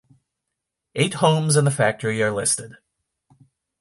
Eight homes and the factory are listed.